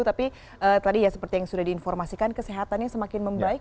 tapi tadi ya seperti yang sudah diinformasikan kesehatannya semakin membaik